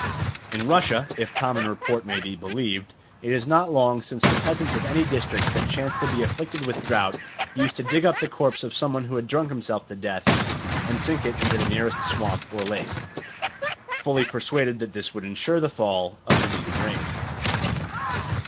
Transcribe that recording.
In Russia, if common report may be believed, it is not long since the peasants of any district that chanced to be afflicted with drought used to dig up the corpse of some one who had drunk himself to death and sink it in the nearest swamp or lake, fully persuaded that this would ensure the fall of the needed rain.